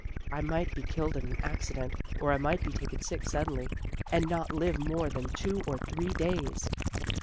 " I might be killed in an accident. Or I might be taken sick sud denly, and not live more than two or three days."